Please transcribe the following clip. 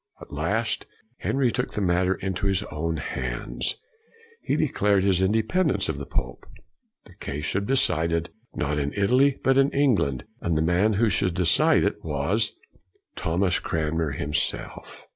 At last, Henry took the matter into his own hands. He declared his independ ence of the pope. The case should be decided, not in Italy, but in England. And the man who should decide it was Thomas Cranmer himself.